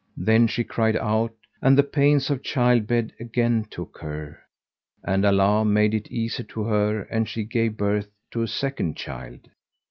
Then she cried out and the pains of child bed again took her; and Allah made it easy to her and she gave birth to a second child.